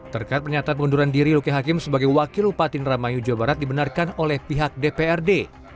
terkait pernyataan pengunduran diri luki hakim sebagai wakil upati indramayu jawa barat dibenarkan oleh pihak dprd